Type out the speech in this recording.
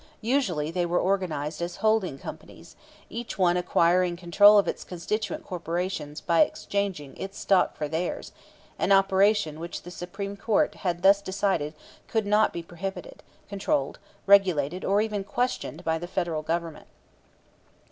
Usually they were organized as "holding" companies, each one acquiring control of its constituent corporations by exchanging its stock for theirs, an operation which the Supreme Court had thus decided could not be prohibited, controlled, regulated, or even questioned by the Federal Government.